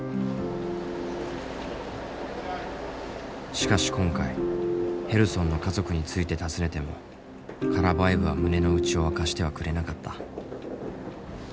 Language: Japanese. しかし今回ヘルソンの家族について尋ねてもカラヴァエヴは胸の内を明かしてはくれなかった。